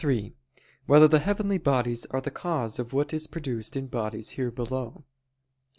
3] Whether the Heavenly Bodies Are the Cause of What Is Produced in Bodies Here Below?